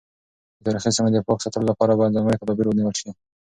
د تاریخي سیمو د پاک ساتلو لپاره باید ځانګړي تدابیر ونیول شي.